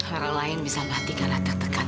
orang lain bisa mati karena tertekan